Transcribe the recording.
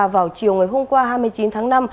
vào chiều ngày hôm qua hai mươi chín tháng năm